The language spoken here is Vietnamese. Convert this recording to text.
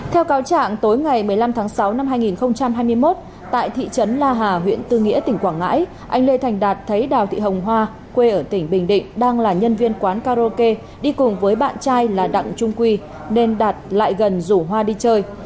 theo cáo trạng tối ngày một mươi năm tháng sáu năm hai nghìn hai mươi một tại thị trấn la hà huyện tư nghĩa tỉnh quảng ngãi anh lê thành đạt thấy đào thị hồng hoa quê ở tỉnh bình định đang là nhân viên quán karaoke đi cùng với bạn trai là đặng trung quy nên đạt lại gần rủ hoa đi chơi